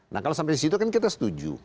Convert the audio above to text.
nah kalau sampai disitu kan kita setuju